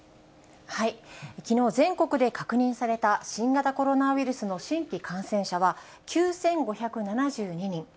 きのう、全国で確認された新型コロナウイルスの新規感染者は、９５７２人。